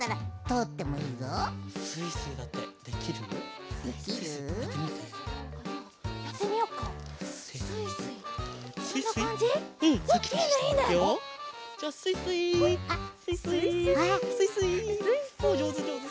おおじょうずじょうず。